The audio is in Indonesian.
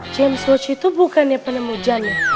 james watts itu bukan yang pernah muja nih